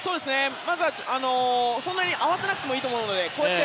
まずはそんなに慌てなくていいと思うので。